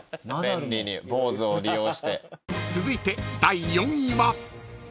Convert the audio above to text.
［続いて第４位は］